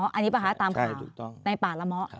อันนี้ปะฮะตามข่าว